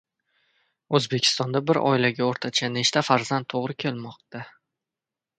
O‘zbekistonda bir oilaga o‘rtacha nechta farzand to‘g‘ri kelmoqda?